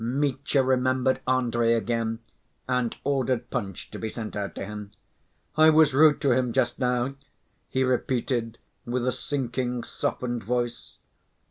Mitya remembered Andrey again, and ordered punch to be sent out to him. "I was rude to him just now," he repeated with a sinking, softened voice.